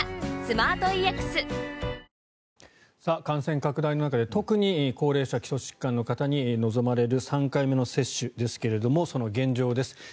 感染拡大の中で特に高齢者基礎疾患の方に望まれる３回目の接種ですがその現状です。